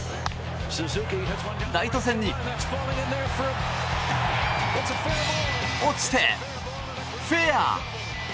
ライト線に落ちて、フェア！